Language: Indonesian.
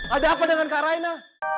ada apa dengan kak raina